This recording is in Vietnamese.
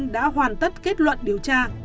đã hoàn tất kết luận điều tra